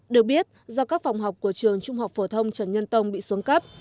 được biết do các phòng học của trường trung học phổ thông trần nhân tông bị xuống cấp